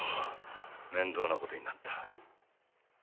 面倒なことになった。